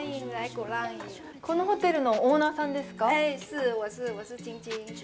このホテルのオーナーさんですか。